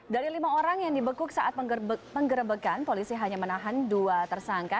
dari lima orang yang dibekuk saat penggerebekan polisi hanya menahan dua tersangka